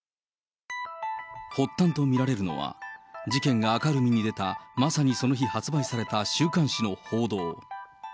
発端と見られるのは、事件が明るみに出た、まさにその日、発売された週刊誌の報道。